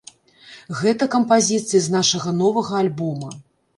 Гэта кампазіцыі з нашага новага альбома.